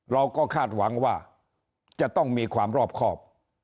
เราก็คาดหวังว่าจะต้องมีความรอบครอบ